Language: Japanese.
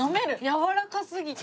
やわらかすぎて。